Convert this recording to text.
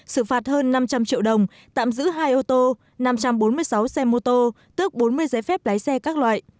xử phạt hơn năm trăm linh triệu đồng tạm giữ hai ô tô năm trăm bốn mươi sáu xe mô tô tước bốn mươi giấy phép lái xe các loại